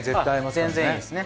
全然いいですね。